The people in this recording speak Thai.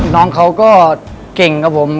น้องเขาก็เก่งครับผม